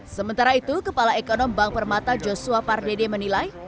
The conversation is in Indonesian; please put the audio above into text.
sementara itu kepala ekonom bank permata joshua pardede menilai